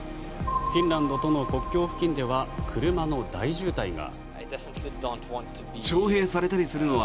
フィンランドとの国境付近では車の大渋滞が。